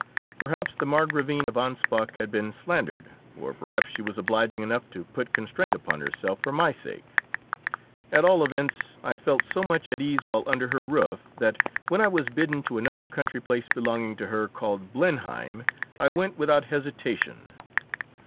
Perhaps the Margravine of Anspach had been slandered, or perhaps she was obliging enough to put constraint upon herself for my sake; at all events, I felt so much at ease while under her roof that, when I was bidden to another country place belonging to her, called Blenheim, I went without hesitation.